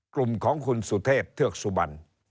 กลุ่มของคุณสุเทพเทือกสุบัน